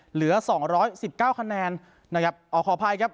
เหลือสองร้อยสิบเก้าคะแนนนะครับอ๋อขออภัยครับ